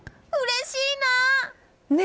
うれしいな！